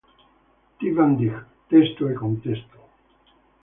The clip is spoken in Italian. T. van Dijk, "Testo e contesto.